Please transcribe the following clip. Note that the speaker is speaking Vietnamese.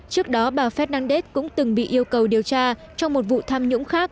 trước đó bà fernández cũng từng bị yêu cầu điều tra trong một vụ tham nhũng khác